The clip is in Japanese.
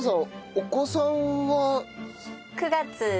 お子さんは？